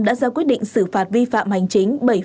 đã ra quyết định xử phạt vi phạm hành chính